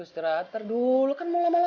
kayaknya parkir dan pasien